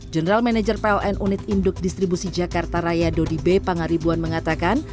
general manager pln unit induk distribusi jakarta raya dodi b pangaribuan mengatakan